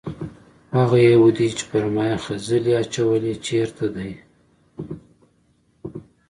هغه یهودي چې پر ما یې خځلې اچولې چېرته دی؟